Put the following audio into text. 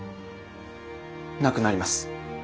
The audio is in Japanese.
なくなります。